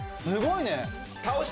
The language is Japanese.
すごいね。